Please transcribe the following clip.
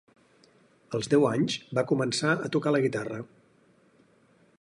Als deu anys, va començar a tocar la guitarra.